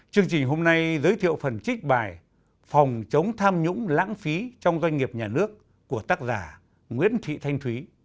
chương trình hôm nay giới thiệu phần trích bài phòng chống tham nhũng lãng phí trong doanh nghiệp nhà nước của tác giả nguyễn thị thanh thúy